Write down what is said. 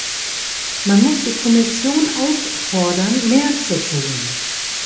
Man muss die Kommission auffordern, mehr zu tun.